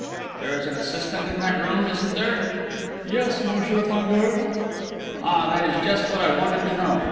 "There is an assistant in that room, isn't there?" "Yes, Monsieur Fandor." "Ah! That is just what I wanted to know!